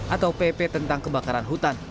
atau pp tentang kebakaran hutan